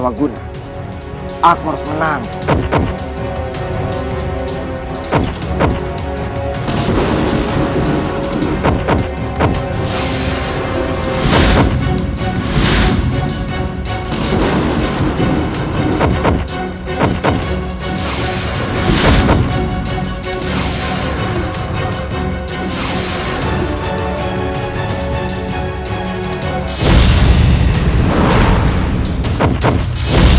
kanda jangan hukum aku